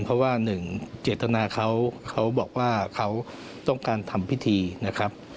เพราะว่าหนึ่งเจตนาเขาเขาบอกว่าเขาต้องการทำพิธีนะครับ